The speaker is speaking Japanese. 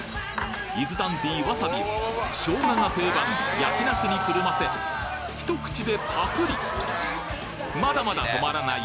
伊豆ダンディーわさびを生姜が定番焼き茄子にくるませひと口でパクリまだまだ止まらない！